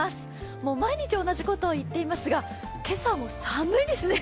もう毎日同じことを言っていますが、今朝も寒いですね。